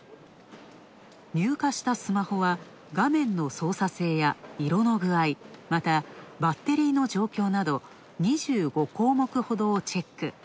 入荷したスマホは画面の操作性や色の具合、またバッテリーの状況など２５項目ほどをチェック。